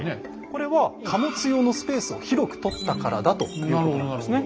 これは貨物用のスペースを広く取ったからだということなんですね。